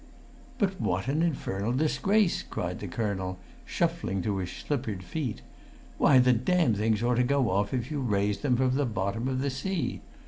"But what an infernal disgrace!" cried the colonel, shuffling to his slippered feet. "Why, the damned things ought to go off if you raised them from the bottom of the sea!